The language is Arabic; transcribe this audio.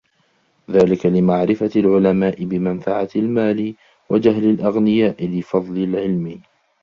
ذَلِكَ لِمَعْرِفَةِ الْعُلَمَاءِ بِمَنْفَعَةِ الْمَالِ وَجَهْلِ الْأَغْنِيَاءِ لِفَضْلِ الْعِلْمِ